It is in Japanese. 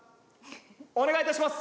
お願いいたします！